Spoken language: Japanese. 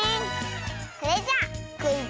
それじゃクイズ